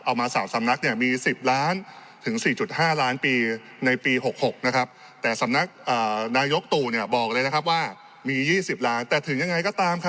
เอามาสรรค์สำนักไม่๑๐ล้านถึง๔๕ล้านทีในปี๖๖นะครับแต่สำนักนายกตู่เนี่ยบอกเลยว่ามีมี๒๐ล้านแต่ถึงยังไงก็ตาม